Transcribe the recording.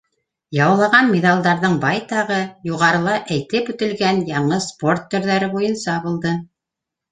Яуланған миҙалдарҙың байтағы юғарыла әйтеп үтелгән яңы спорт төрҙәре буйынса булды.